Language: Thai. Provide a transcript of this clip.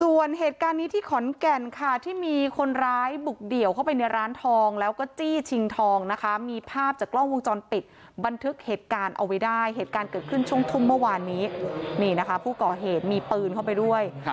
ส่วนเหตุการณ์นี้ที่ขอนแก่นค่ะที่มีคนร้ายบุกเดี่ยวเข้าไปในร้านทองแล้วก็จี้ชิงทองนะคะมีภาพจากกล้องวงจรปิดบันทึกเหตุการณ์เอาไว้ได้เหตุการณ์เกิดขึ้นช่วงทุ่มเมื่อวานนี้นี่นะคะผู้ก่อเหตุมีปืนเข้าไปด้วย